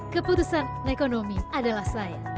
keputusan ekonomi adalah saya